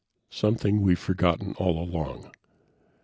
"Something we've forgotten all along.